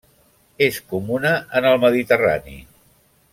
És comuna en el Mediterrani.